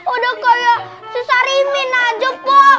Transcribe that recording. udah kayak susah rimin aja po